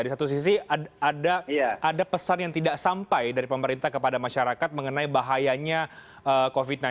di satu sisi ada pesan yang tidak sampai dari pemerintah kepada masyarakat mengenai bahayanya covid sembilan belas